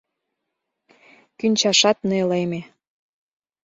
Кӱнчашат нелеме.